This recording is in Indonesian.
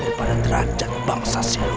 daripada derajat bangsa siluman